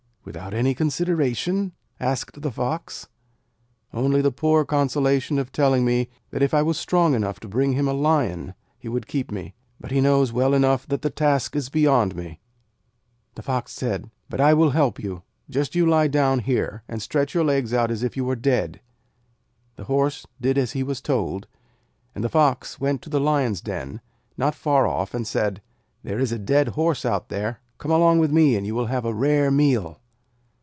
'Without any consideration?' asked the Fox. 'Only the poor consolation of telling me that if I was strong enough to bring him a Lion he would keep me, but he knows well enough that the task is beyond me.' The Fox said: 'But I will help you. Just you lie down here, and stretch your legs out as if you were dead.' The Horse did as he was told, and the Fox went to the Lion's den, not far off, and said: 'There is a dead Horse out there. Come along with me, and you will have a rare meal.'